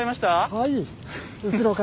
はい。